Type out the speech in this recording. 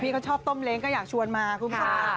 พี่ชอบต้มเล้งก็อยากชวนมาคุณครับ